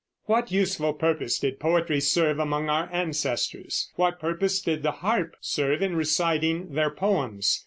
What useful purpose did poetry serve among our ancestors? What purpose did the harp serve in reciting their poems?